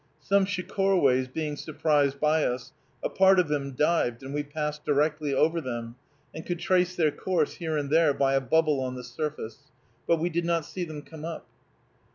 Some shecorways being surprised by us, a part of them dived, and we passed directly over them, and could trace their course here and there by a bubble on the surface, but we did not see them come up.